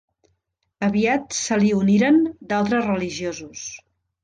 Aviat se li uniren d'altres religiosos.